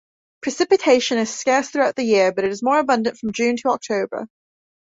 Precipitation is scarce throughout the year but is more abundant from June to October.